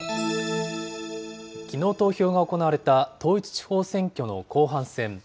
きのう投票が行われた統一地方選挙の後半戦。